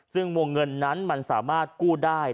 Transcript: ซึ่งวงเงินนั้นมันสามารถกู้ได้